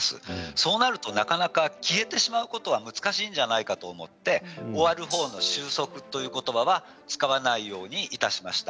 そうなると、なかなか消えてしまうことは難しいんじゃないかと思って終わる方の終息という言葉は使わないようにいたしました。